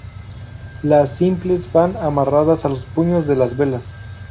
Las simples van amarradas a los puños de las velas.